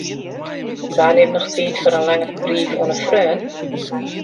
Wa nimt noch tiid foar in lange brief oan in freon?